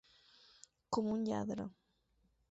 Com un lladre.